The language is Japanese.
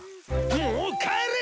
もう帰れ！